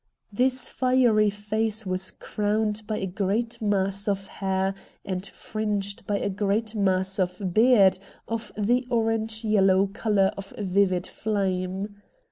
This fiery face was crowned by a great mass of hair and fringed by a great mass of beard of the orange yellow colour of vivid flame.